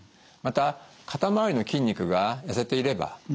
また肩周りの筋肉が痩せていれば。